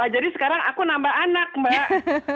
jadi sekarang aku nambah anak mbak